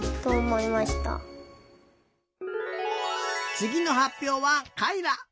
つぎのはっぴょうは海來。